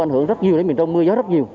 an hưởng rất nhiều đến miền trong